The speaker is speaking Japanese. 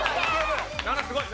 ７すごい！